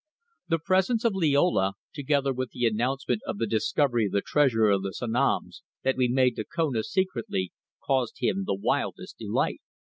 The presence of Liola, together with the announcement of the discovery of the treasure of the Sanoms, that we made to Kona secretly, caused him the wildest delight.